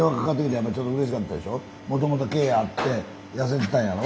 もともと毛あって痩せてたんやろ？